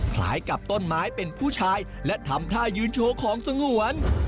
คล้ายกับต้นไม้เป็นผู้ชายและทำท่ายืนโชว์ของสงวน